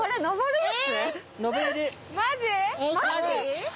マジ！？